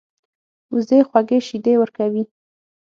وزې خوږې شیدې ورکوي